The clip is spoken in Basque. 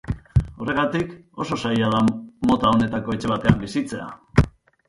Horregatik, oso zaila da mota honetako etxe batean bizitzea.